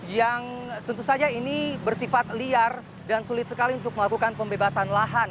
yang tentu saja ini bersifat liar dan sulit sekali untuk melakukan pembebasan lahan